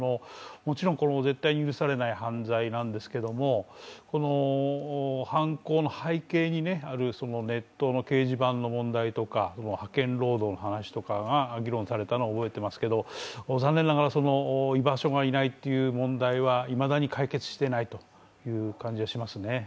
もちろん絶対許されない犯罪なんですけれども、この犯行の背景にあるネットの掲示板の問題とか派遣労働の話とかが議論されたのは覚えていますが残念ながら居場所がないという問題はいまだに解決していないという感じがしますね。